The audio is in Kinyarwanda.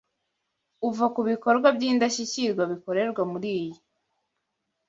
uva ku bikorwa by’indashyikirwa bikorerwa muri iyi